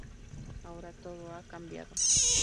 Ahora todo ha cambiado"".